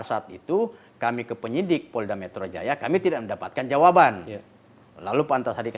saat itu kami ke penyidik polda metro jaya kami tidak mendapatkan jawaban lalu pantas hadir